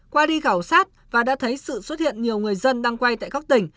qua đi khảo sát và đã thấy sự xuất hiện nhiều người dân đang quay tại các tỉnh